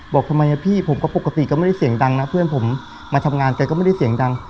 บอกทำไมพี่ผมก็ปกติก็ไม่ได้เสียงดังนะเพื่อนผมมาทำงานแกก็ไม่ได้เสียงดัง